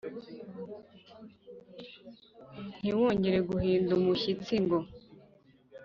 ntiwongere guhinda umushyitsi ngo